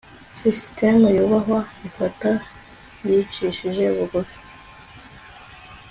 sisitemu yubahwa ifata yicishije bugufi